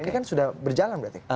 ini kan sudah berjalan berarti